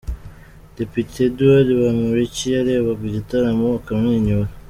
Depite Edouard Bamporiki yarebaga igitaramo akamwenyura.